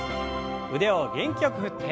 腕を元気よく振って。